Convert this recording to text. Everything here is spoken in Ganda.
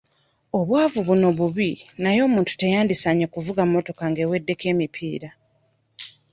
Obwavu buno bubi naye omuntu teyandisaanye kuvuga mmotoka ng'eweddeko emipiira.